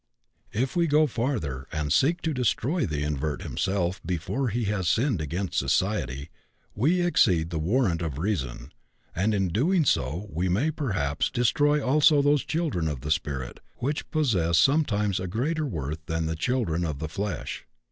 If we go farther, and seek to destroy the invert himself before he has sinned against society, we exceed the warrant of reason, and in so doing we may, perhaps, destroy also those children of the spirit which possess sometimes a greater worth than the children of the flesh.